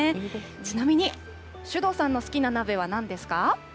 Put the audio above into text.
ちなみに首藤さんの好きな鍋はなんですか。